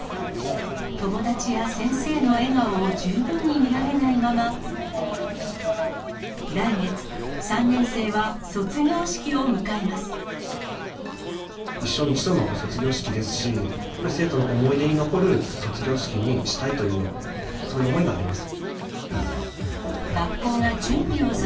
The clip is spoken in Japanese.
友達や先生の笑顔を十分に見られないまま、来月、一生に一度の卒業式ですし、やっぱり生徒の思い出に残る卒業式にしたいという、そういう思いがあります。